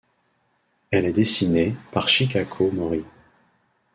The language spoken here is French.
Elle est dessinée par Chikako Mori.